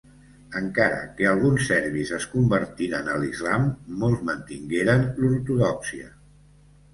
Encara que alguns serbis es convertiren a l'Islam, molts mantingueren l'ortodòxia.